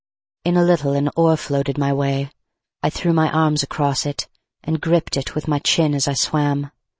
In a little an oar floated my way: I threw my arms across it and gripped it with my chin as I swam.